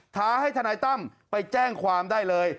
ท้าให้ทนายตั้มไปแจ้งความได้เลย